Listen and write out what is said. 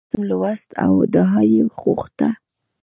هغه په خوب کې یو نظم لوست او دعا یې غوښته